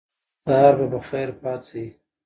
سهار به په خیر پاڅئ.